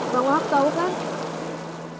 bang wahab tau kan